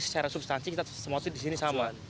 cara substansi kita semua itu disini sama